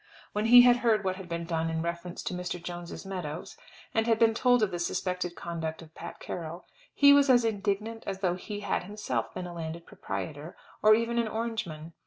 When he had heard what had been done in reference to Mr. Jones's meadows, and had been told of the suspected conduct of Pat Carroll, he was as indignant as though he had himself been a landed proprietor, or even an Orangeman.